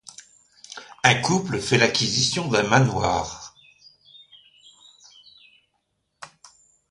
Un couple fait l’acquisition d’un manoir.